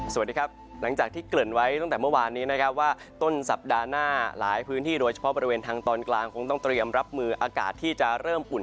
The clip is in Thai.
สวัสดีครับหลังจากที่เกริ่นไว้ตั้งแต่เมื่อวานนี้นะครับว่าต้นสัปดาห์หน้าหลายพื้นที่โดยเฉพาะบริเวณทางตอนกลางคงต้องเตรียมรับมืออากาศที่จะเริ่มอุ่น